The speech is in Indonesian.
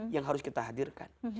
yang harus kita hadirkan